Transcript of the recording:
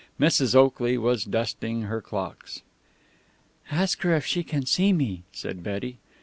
Mrs. Oakley was dusting her clocks. "Ask her if she can see me," said Betty.